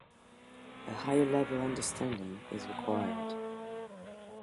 A higher-level understanding is required.